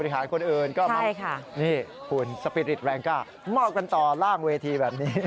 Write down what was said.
การสินก็ใช่ค่ะคุณสปิริตแรงก็มอบกันต่อร่างเวทีแบบนี้